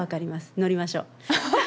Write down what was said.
乗りましょう。